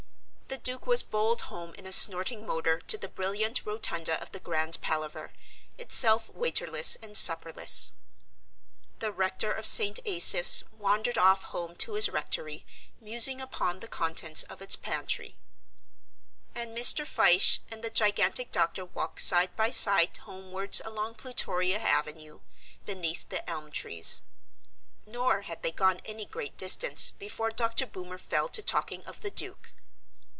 The Duke was bowled home in a snorting motor to the brilliant rotunda of the Grand Palaver, itself waiterless and supperless. The rector of St. Asaph's wandered off home to his rectory, musing upon the contents of its pantry. And Mr. Fyshe and the gigantic Doctor walked side by side homewards along Plutoria Avenue, beneath the elm trees. Nor had they gone any great distance before Dr. Boomer fell to talking of the Duke.